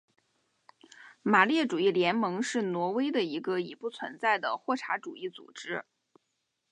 马列主义联盟是挪威的一个已不存在的霍查主义组织。